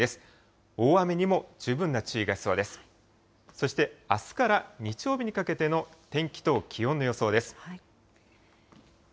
そして、あすから日曜日にかけての天気と気温の予想です。